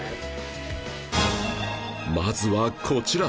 まずはこちら